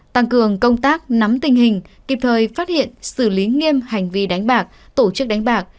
tăng cường công tác nắm tình hình kịp thời phát hiện xử lý nghiêm hành vi đánh bạc tổ chức đánh bạc